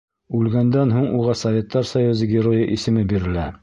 Үлгәндән һуң уға Советтар Союзы Геройы исеме бирелә.